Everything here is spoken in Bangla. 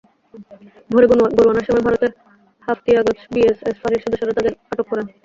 ভোরে গরু আনার সময় ভারতের হাফতিয়াগছ বিএসএফ ফাঁড়ির সদস্যরা তাঁদের আটক করেন।